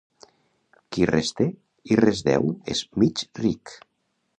Qui res té i res deu és mig ric.